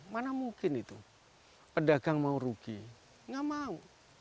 mana mungkin itu pedagang mau rugi nggak mau